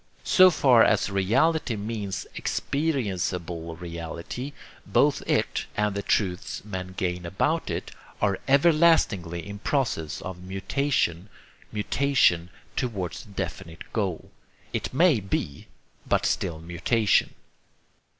So far as reality means experienceable reality, both it and the truths men gain about it are everlastingly in process of mutation mutation towards a definite goal, it may be but still mutation.